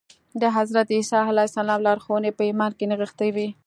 د حضرت عيسی عليه السلام لارښوونې په ايمان کې نغښتې وې.